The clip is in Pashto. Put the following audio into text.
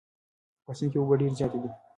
په سیند کې اوبه ډېرې زیاتې دي.